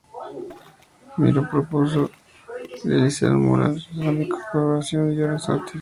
Miró propuso realizar un mural cerámico en colaboración con Llorens Artigas.